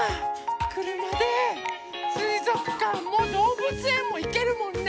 くるまですいぞくかんもどうぶつえんもいけるもんね。